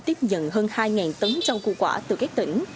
tiếp nhận hơn hai tấn rau củ quả từ các tỉnh